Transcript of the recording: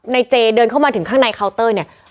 เจเดินเข้ามาถึงข้างในเคาน์เตอร์เนี่ย